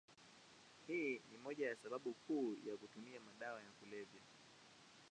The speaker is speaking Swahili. Hii ni moja ya sababu kuu ya kutumia madawa ya kulevya.